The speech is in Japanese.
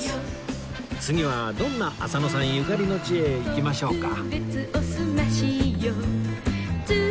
次はどんな浅野さんゆかりの地へ行きましょうか？